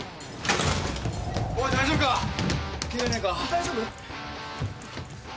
大丈夫？